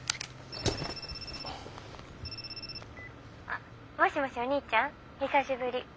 あっもしもしお兄ちゃん久しぶり。